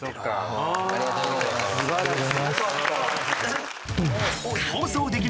ありがとうございます。